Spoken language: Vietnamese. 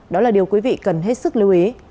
đó là điều quý vị cần hết sức lưu ý